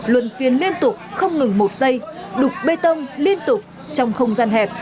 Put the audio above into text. luân phiên liên tục không ngừng một giây đục bê tông liên tục trong không gian hẹp